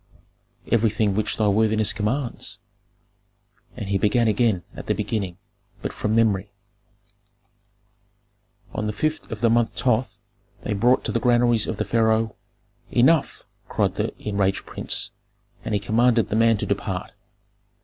"Everything which thy worthiness commands." And he began again at the beginning, but from memory, "On the fifth of the month Thoth they brought to the granaries of the pharaoh " "Enough!" cried the enraged prince; and he commanded the man to depart.